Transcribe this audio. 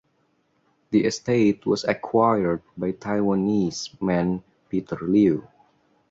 The estate was acquired by Taiwanese man Peter Liu.